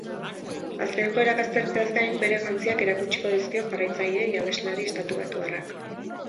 Azken joerak aztertzeaz gain, bere jantziak erakutsiko dizkio jarraitzaileei abeslari estatubatuarrak.